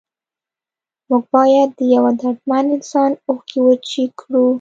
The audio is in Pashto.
موږ باید د یو دردمند انسان اوښکې وچې کړو.